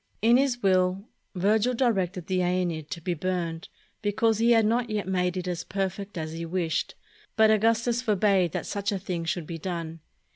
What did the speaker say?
In his will, Virgil directed the "iEneid" to be burned, because he had not yet made it as perfect as he wished, but Augustus for bade that such a thing should be done.